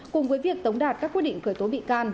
cùng với việc tống đạt các quyết định khởi tố bị can